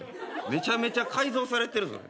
めちゃめちゃ改造されてるそれ。